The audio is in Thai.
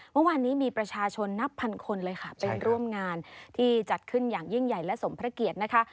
เมื่อวานนี้มีประชาชนนับพันคนเลยค่ะไปร่วมงานที่จัดขึ้นอย่างยิ่งใหญ่และสมพระเกียรตินะคะ